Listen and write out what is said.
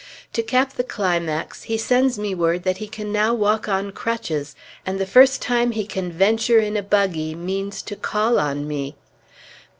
To cap the climax, he sends me word that he can now walk on crutches, and the first time he can venture in a buggy, means to call on me.